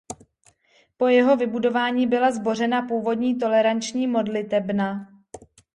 Po jeho vybudování byla zbořena původní toleranční modlitebna.